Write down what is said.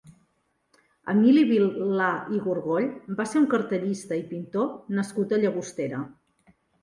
Emili Vilà i Gorgoll va ser un cartellista i pintor nascut a Llagostera.